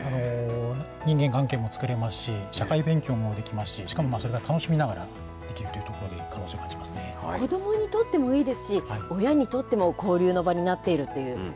人間関係も作れますし、社会勉強もできますし、しかもそれが楽しみながらできるということで、可子どもにとってもいいですし、親にとっても、交流の場になっているという。